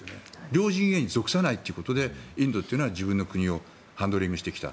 同陣営に属さないということでインドというのは、自分の国をハンドリングしてきた。